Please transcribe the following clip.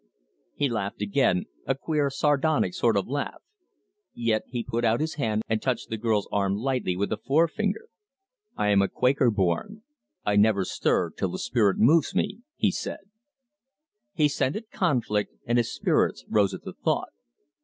He laughed again, a queer sardonic sort of laugh, yet he put out his hand and touched the girl's arm lightly with a forefinger. "I am a Quaker born; I never stir till the spirit moves me," he said. He scented conflict, and his spirits rose at the thought.